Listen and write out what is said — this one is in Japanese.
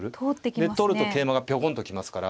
で取ると桂馬がピョコンと来ますから。